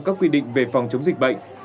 các quy định về phòng chống dịch bệnh